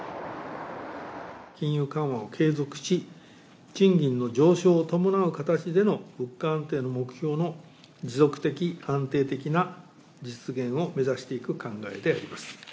金融緩和を継続し、賃金の上昇を伴う形での、物価安定の目標の持続的、安定的な実現を目指していく考えであります。